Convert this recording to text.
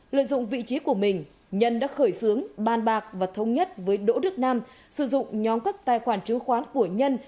lợi dụng vị trí của mình nhân đã khởi xướng bàn bạc và thống nhất với đỗ đức nam sử dụng nhóm các tài khoản chứng khoán của nhân